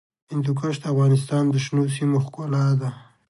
هندوکش د افغانستان د شنو سیمو ښکلا ده.